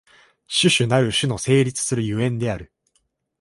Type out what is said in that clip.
種々なる種の成立する所以である。